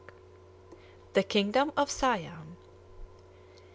THE KINGDOM OF SIAM.